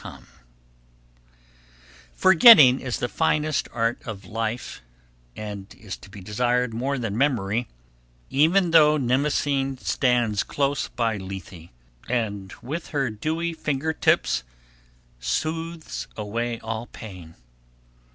[Sidenote: Forgetting] Forgetting is the finest art of life and is to be desired more than memory, even though Mnemosyne stands close by Lethe and with her dewy finger tips soothes away all pain.